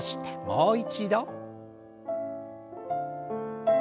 もう一度。